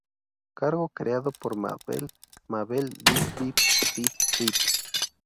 Cargo creado por mabel mabel bep bep bep bep